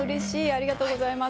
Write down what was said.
ありがとうございます。